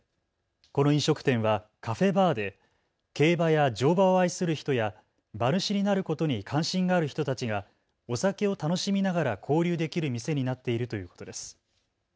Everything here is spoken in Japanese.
この飲食店はカフェバーで競馬や乗馬を愛する人や馬主になることに関心がある人たちがお酒を楽しみながら交流できる店になっているということです。